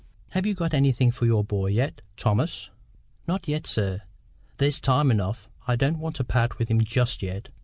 "Have you got anything for your boy yet, Thomas?" "Not yet, sir. There's time enough. I don't want to part with him just yet.